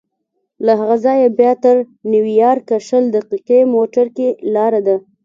له هغه ځایه بیا تر نیویارکه شل دقیقې موټر کې لاره ده.